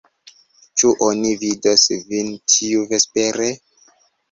Ĉu oni vidos vin tiuvespere?